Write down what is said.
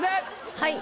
はい。